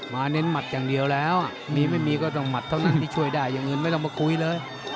เน้นหมัดอย่างเดียวแล้วมีไม่มีก็ต้องหมัดเท่านั้นที่ช่วยได้อย่างอื่นไม่ต้องมาคุยเลย